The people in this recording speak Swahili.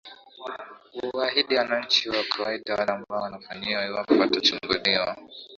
iwaahidi wananchi wa kawaida wale ambayo watawafanyia iwapo watachaguliwa